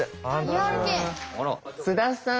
津田さん